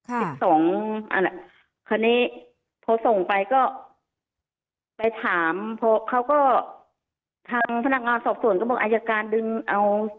สิบสองอันคราวนี้พอส่งไปก็ไปถามพอเขาก็ทางพนักงานสอบส่วนก็บอกอายการดึงเอา